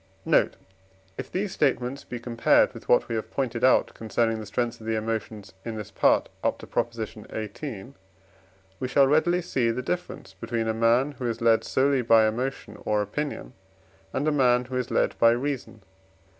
Note. If these statements be compared with what we have pointed out concerning the strength of the emotions in this Part up to Prop. xviii., we shall readily see the difference between a man, who is led solely by emotion or opinion, and a man, who is led by reason.